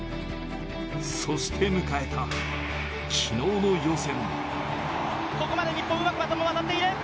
そして迎えた昨日の予選。